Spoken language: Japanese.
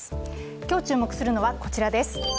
今日注目するのは、こちらです。